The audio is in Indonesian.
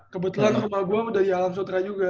kebetulan rumah gue udah di alam sutera juga